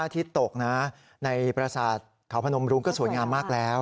ตกในประสาทขาวพนมรุงก็สวยงามมากแล้ว